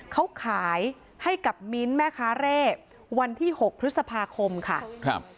เขาขายให้กับมิ้นแม่คาเร่วันที่๖พฤษภาคมค่ะ